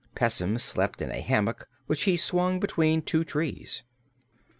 Pessim slept in a hammock which he swung between two trees.